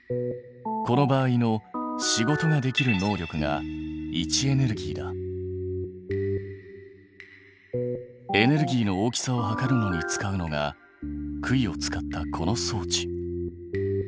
この場合の仕事ができる能力がエネルギーの大きさを測るのに使うのが杭を使ったこの装置。